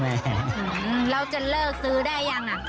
หือเราจะเลิกซื้อได้หรือยังล่ะ